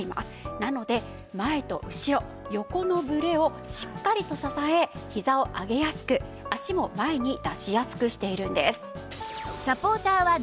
なので前と後ろ横のブレをしっかりと支えひざを上げやすく脚も前に出しやすくしているんです。